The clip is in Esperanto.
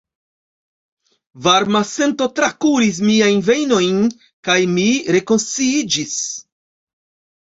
Varma sento trakuris miajn vejnojn kaj mi rekonsciiĝis.